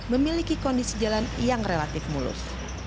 memiliki kondisi jalan yang relatif mulus